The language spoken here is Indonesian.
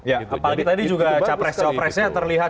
apalagi tadi juga capres capresnya terlihat